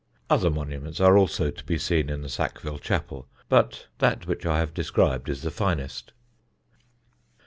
Other monuments are also to be seen in the Sackville Chapel, but that which I have described is the finest.